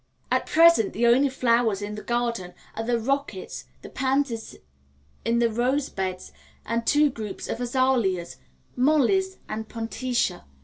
At present the only flowers in the garden are the rockets, the pansies in the rose beds, and two groups of azaleas mollis and pontica.